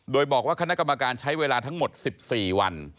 โดยบอกว่าคณะกรรมการใช้เวลาทั้งหมด๑๔วัน